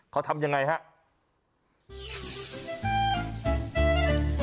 เขาทำยังไงครับ